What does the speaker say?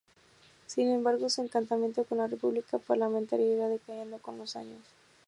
Sin embargo, su encantamiento con la República Parlamentaria irá decayendo con los años.